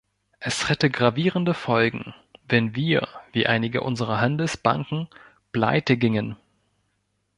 Es hätte gravierende Folgen, wenn wir wie einige unserer Handelsbanken Pleite gingen.